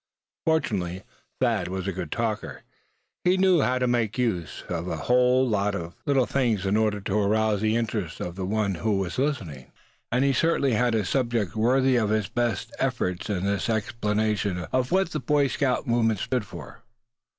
Fortunately Thad was a good talker. He knew how to make use of a whole lot of little things in order to arouse the interest of the one who was listening; and he certainly had a subject worthy of his best efforts in this explanation of what the Boy Scout movement stood for.